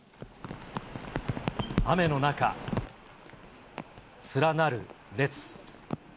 雨の中、連なる列。